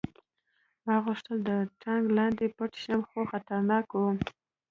ما غوښتل د ټانک لاندې پټ شم خو خطرناک و